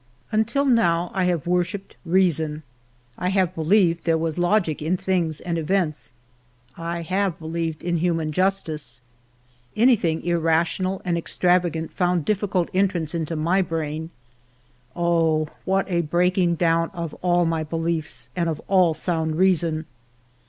Until now I have worshipped reason, I have believed there was logic in things and events, I have believed in human justice ! Anything irra 104 FIVE YEARS OF MY LIFE tional and extravagant found difficult entrance into my brain. Oh, what* a breaking down of all my beliefs and of all sound reason